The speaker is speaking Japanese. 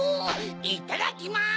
いただきます！